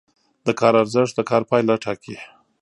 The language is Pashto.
د کار ارزښت د کار پایله ټاکي.